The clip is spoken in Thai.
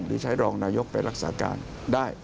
หรือใช้รองนายกไปรักษาการได้